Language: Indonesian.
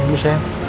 ini dulu sayang